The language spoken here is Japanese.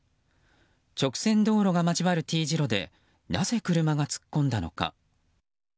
直線道路が交わるＴ字路でなぜ車が突っ込んだのか。